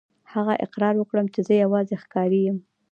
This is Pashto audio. هغه اقرار وکړ چې زه یوازې ښکاري یم.